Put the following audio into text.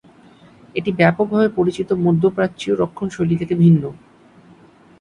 এটি ব্যাপকভাবে পরিচিত মধ্যপ্রাচ্যীয় রন্ধনশৈলী থেকে ভিন্ন।